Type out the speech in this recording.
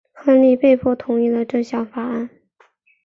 亨利被迫同意了这项法案。